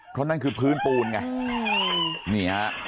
เพราะนั่นคือพื้นปูนไง